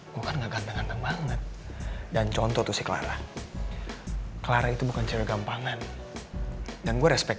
bukan ganteng banget dan contoh tuh si clara clara itu bukan cewek gampangan dan gue respect